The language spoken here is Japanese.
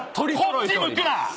こっち向くな！